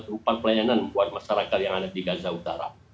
tempat pelayanan buat masyarakat yang ada di gaza utara